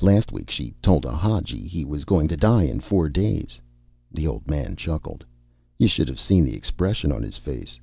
Last week she told a Hadji he was going to die in four days." The old man chuckled. "You should have seen the expression on his face."